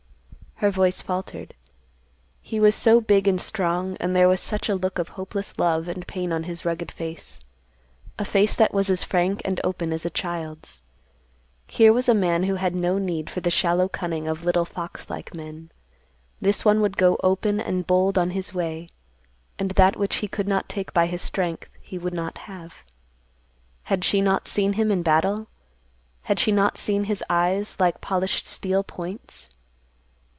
Her voice faltered. He was so big and strong, and there was such a look of hopeless love and pain on his rugged face—a face that was as frank and open as a child's. Here was a man who had no need for the shallow cunning of little fox like men. This one would go open and bold on his way, and that which he could not take by his strength he would not have. Had she not seen him in battle? Had she not seen his eyes like polished steel points?